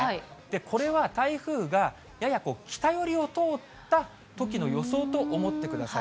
これは台風がやや北寄りを通ったときの予想と思ってください。